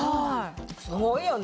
すごいよね。